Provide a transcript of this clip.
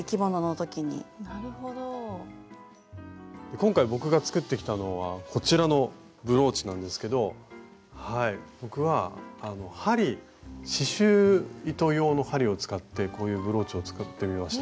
今回僕が作ってきたのはこちらのブローチなんですけど僕は針刺しゅう糸用の針を使ってこういうブローチを作ってみました。